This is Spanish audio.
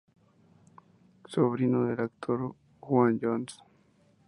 Sobrino del actor Juan Jones.